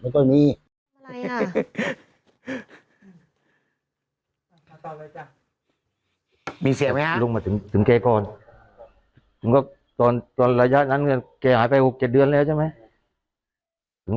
ตอนระยะนั้นแกหายไป๖๗เดือนแล้วใช่ไหม